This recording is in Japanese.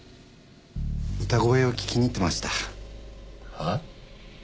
歌声を聴きに行ってました。